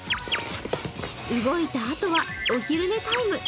動いたあとはお昼寝タイム。